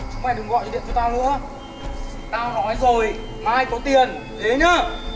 chúng mày đừng gọi cho điện cho tao nữa tao nói rồi mai anh có tiền ế nhớ